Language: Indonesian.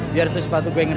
biar itu sepatu kesayangan